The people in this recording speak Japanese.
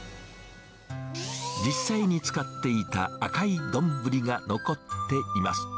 実際に使っていた赤い丼が残っています。